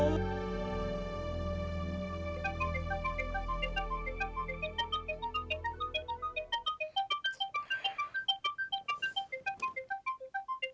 tidak tidak tidak